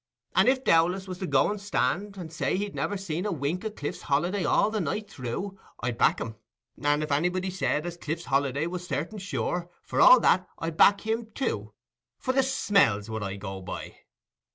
And if Dowlas was to go and stand, and say he'd never seen a wink o' Cliff's Holiday all the night through, I'd back him; and if anybody said as Cliff's Holiday was certain sure, for all that, I'd back him too. For the smell's what I go by."